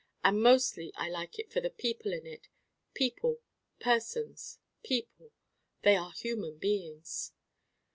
And mostly I like it for the people in it People Persons People: they are human beings.